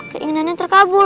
keinginan kalian terkabul